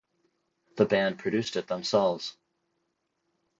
The band produced it themselves.